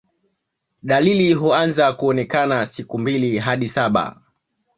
Dalili huanza kuonekana siku mbili hadi saba